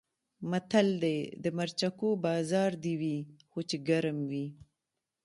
متل دی: د مرچکو بازار دې وي خو چې ګرم وي.